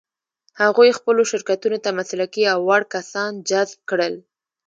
هغوی خپلو شرکتونو ته مسلکي او وړ کسان جذب کړل.